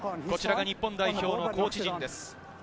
こちらが日本代表のコーチ陣です。